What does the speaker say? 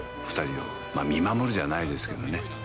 二人を見守るじゃないですけどね